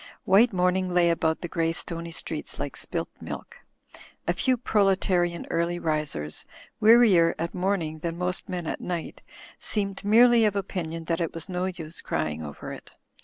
White morning lay about the grey stoney streets like spilt milk. A few proletarian early risers, wea rier at morning than most men at night, seemed merely of opinion that it was no use crying over it.